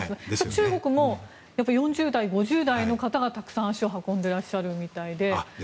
中国も４０代、５０代の方がたくさん足を運んでいらっしゃるみたいで。